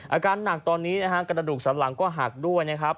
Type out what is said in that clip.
อาการหนักตอนนี้นะฮะกระดูกสันหลังก็หักด้วยนะครับ